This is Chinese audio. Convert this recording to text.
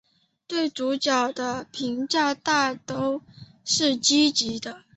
对主角的评价大都是积极的。